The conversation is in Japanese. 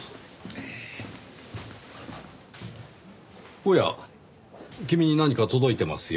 おや君に何か届いてますよ。